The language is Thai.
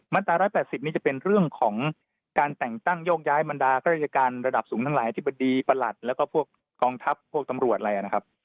ตรา๑๘๐นี้จะเป็นเรื่องของการแต่งตั้งโยกย้ายบรรดาข้าราชการระดับสูงทั้งหลายอธิบดีประหลัดแล้วก็พวกกองทัพพวกตำรวจอะไรนะครับ